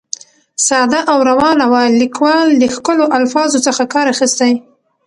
ساده او روانه وه، ليکوال د ښکلو الفاظو څخه کار اخیستى.